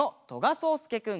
そうすけくん。